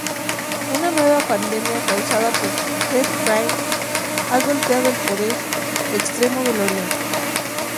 Una nueva pandemia causada por "Red Rain" ha golpeado el Poder Extremo Del Oriente.